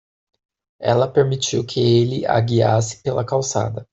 Ela permitiu que ele a guiasse pela calçada.